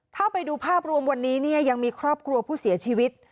ถ้าไปดูภาพรวมวันนี้เนี่ยยังมีครอบครัวผู้เสียชีวิต